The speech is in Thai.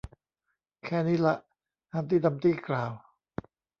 แค่นี้ล่ะ ฮัมพ์ตี้ดัมพ์ตี้กล่าว